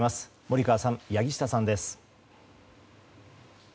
森川さん、柳下さんです。